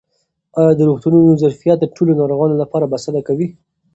آیا د روغتونونو ظرفیت د ټولو ناروغانو لپاره بسنه کوي؟